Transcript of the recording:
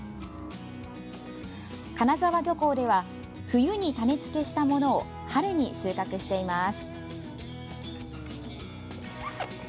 金沢漁港では冬に種付けしたものを春に収穫しています。